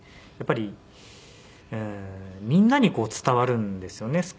やっぱりみんなに伝わるんですよね